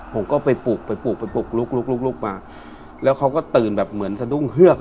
ผมก็ไปปลุกไปปลุกไปปลุกลุกมาแล้วเขาก็ตื่นแบบเหมือนสะดุ้งเฮือก